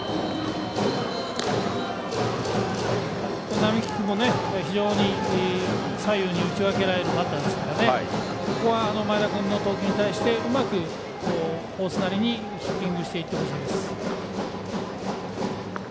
双木君も非常に左右に打ち分けられるバッターですからここは、前田君の投球に対してうまくコースにピッチングしていってほしいです。